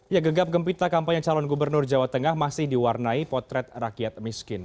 ya gegap gempita kampanye calon gubernur jawa tengah masih diwarnai potret rakyat miskin